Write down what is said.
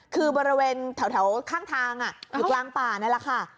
คือบริเวณแถวข้างทางอยู่กลางป่านั่นแหละค่ะ